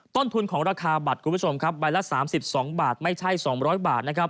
ต้นทุนของราคาบัตร๓๒บาทไม่ใช่๒๐๐บาท